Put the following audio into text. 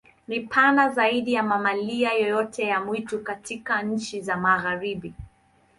Ni pana zaidi ya mamalia yoyote ya mwitu katika nchi za Magharibi.